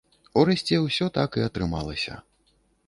Урэшце, усё так і атрымалася.